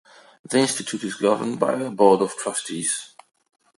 The Institute is governed by a board of trustees.